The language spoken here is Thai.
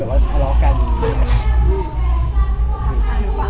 ก็ไม่ได้แบบว่าทะเลาะกัน